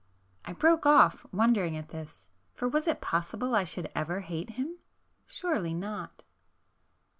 ..." I broke off, wondering at this. For was it possible I should ever hate him? Surely not!